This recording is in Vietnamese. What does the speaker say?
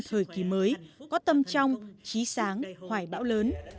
thời kỳ mới có tâm trong trí sáng hoài bão lớn